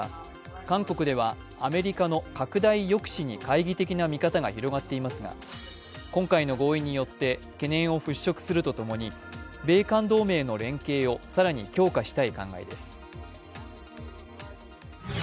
韓国では米国の拡大抑止に懐疑的な見方が広がっていますが今回の合意によって懸念を払拭するとともに、米韓同盟の連携を更に強化したい考えです。